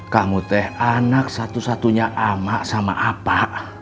kamu teh anak satu satunya anak sama apa